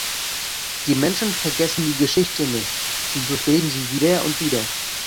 Die Menschen vergessen die Geschichte nicht, sie durchleben sie wieder und wieder.